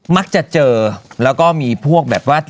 มักจะเจอแล้วก็มีพวกแบบว่า